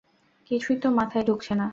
কিছুই তো মাথায় ঢুকছে না।